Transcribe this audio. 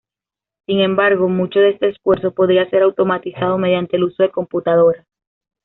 Sin embargo, mucho de este esfuerzo podía ser automatizado mediante el uso de computadoras.